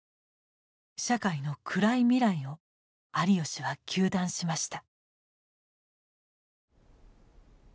社会の暗い未来を有吉は糾弾しました。